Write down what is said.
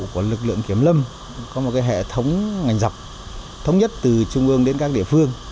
của lực lượng kiểm lâm có một hệ thống ngành dọc thống nhất từ trung ương đến các địa phương